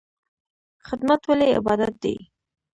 خدمت ولې عبادت دی؟